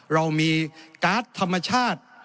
เรามีการ์ดธรรมชาติ